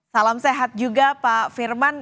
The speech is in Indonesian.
salam sehat juga pak firman